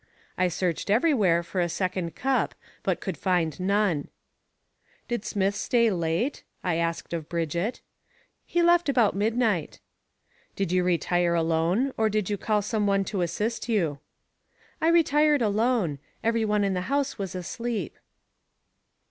I searched everywhere for a second cup but could find none. "Did Smith stay late?" I asked of Brigitte. "He left about midnight." "Did you retire alone or did you call some one to assist you?" "I retired alone; every one in the house was asleep."